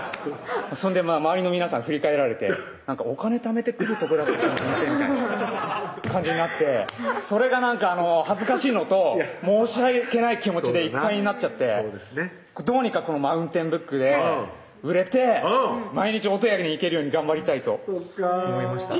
それで周りの皆さん振り返られて「お金ためて来るとこだっけこの店」みたいな感じになってそれがなんか恥ずかしいのと申し訳ない気持ちでいっぱいになっちゃってどうにかこのマウンテンブックで売れて毎日大戸屋に行けるように頑張りたいと思いました